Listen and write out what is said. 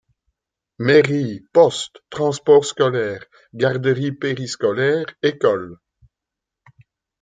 Mairie, poste, transport scolaire, garderie périscolaire, école.